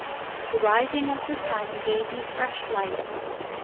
The rising of the sun gave me fresh life.